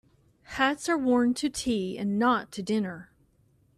Hats are worn to tea and not to dinner.